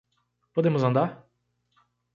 Podemos andar?